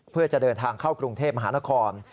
เพื่อจะเดินทางเข้ากรุงเทพมหานคร